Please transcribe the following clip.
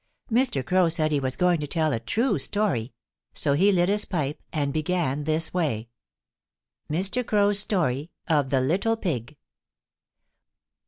Mr. Crow said he was going to tell a true story, so he lit his pipe and began this way: MR. CROW'S STORY OF THE LITTLE PIG.